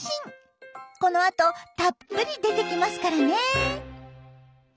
このあとたっぷり出てきますからね！